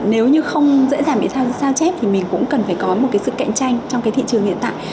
nếu như không dễ dàng bị sao chép thì mình cũng cần phải có một cái sự cạnh tranh trong cái thị trường hiện tại